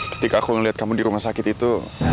ketika aku ngelihat kamu di rumah sakit itu